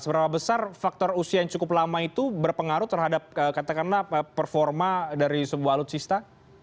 seberapa besar faktor usia yang cukup lama itu berpengaruh terhadap katakanlah performa dari sebuah alutsista